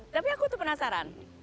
tapi aku tuh penasaran